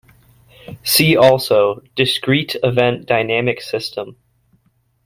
See also, Discrete event dynamic system.